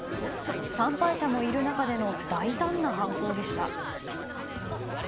参拝者もいる中での大胆な犯行でした。